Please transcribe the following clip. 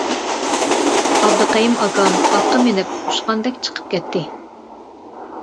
ئابدۇقەييۇم ئاكام ئاتقا مىنىپ ئۇچقاندەك چىقىپ كەتتى.